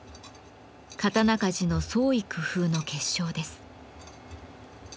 刀鍛冶の創意工夫の結晶です。